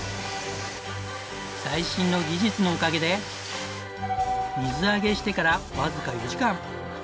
最新の技術のおかげで水揚げしてからわずか４時間。